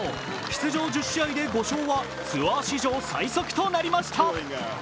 出場１０試合で５勝は、ツアー史上最速となりました。